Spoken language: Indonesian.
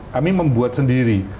kami membuat sendiri